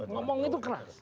ngomong itu keras